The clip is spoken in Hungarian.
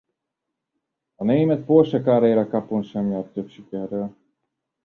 A Német Porsche Carrera Cupon sem járt több sikerrel.